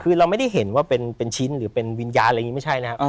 คือเราไม่ได้เห็นว่าเป็นชิ้นหรือเป็นวิญญาณอะไรอย่างนี้ไม่ใช่นะครับ